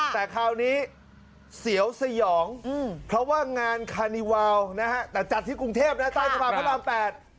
แต่คราวนี้เสียวสยองเพราะว่างานคานิวาลนะฮะแต่จัดที่กรุงเทพนะใต้สะพานพระราม๘